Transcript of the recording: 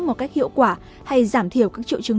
một cách hiệu quả hay giảm thiểu các triệu chứng